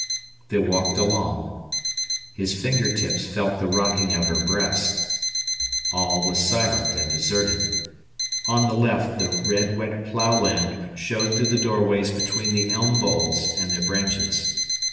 They walked along. His finger tips felt the rocking of her breast. All was silent and deserted. On the left the red wet plough land showed through the doorways between the elm boles and their branches.